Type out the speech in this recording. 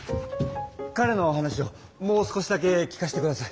かれの話をもう少しだけ聞かしてください。